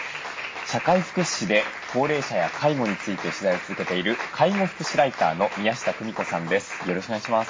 社会福祉士で高齢者や介護について取材を続けている介護福祉ライターの宮下公美子さんです。